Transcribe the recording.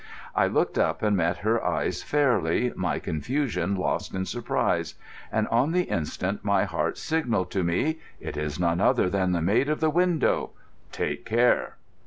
I looked up and met her eyes fairly, my confusion lost in surprise, and on the instant my heart signalled to me: "It is none other than the maid of the window! Take care!"